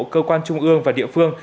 cơ quan trung ương và địa phương